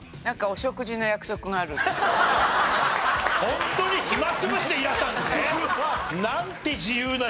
ホントに暇潰しでいらしたんですね！